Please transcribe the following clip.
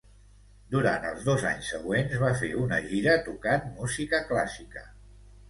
Durant els dos anys següents, va fer una gira tocant música clàssica.